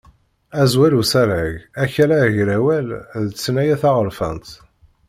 Azwel usarag: Akala agrawal d tnaya taɣerfant.